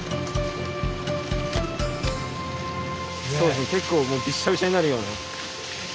そうですね結構もうビッシャビシャになるような。